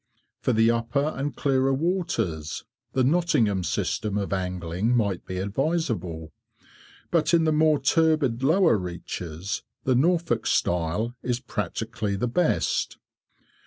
For the upper and clearer waters, the Nottingham system of angling might be advisable, but in the more turbid lower reaches the Norfolk style is practically the best.